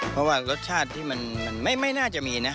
เพราะว่ารสชาติที่มันไม่น่าจะมีนะ